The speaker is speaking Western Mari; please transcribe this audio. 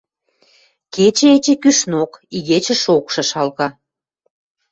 Кечӹ эче кӱшнок, игечӹ шокшы шалга.